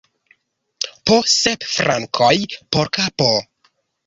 Po sep frankoj por kapo!